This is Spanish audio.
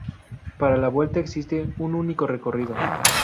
Para la vuelta existe un único recorrido.